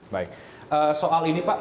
baik soal ini pak